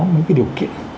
những cái điều kiện